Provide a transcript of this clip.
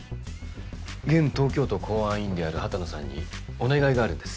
現東京都公安委員である波多野さんにお願いがあるんです。